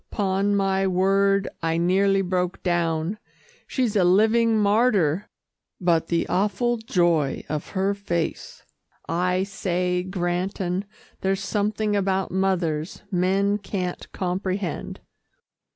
'Pon my word I nearly broke down she's a living martyr, but the awful joy of her face. I say, Granton there's something about mothers, men can't comprehend."